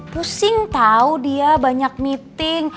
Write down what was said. pusing tahu dia banyak meeting